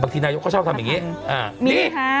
บางทีนายก็ชอบทำแบบนี้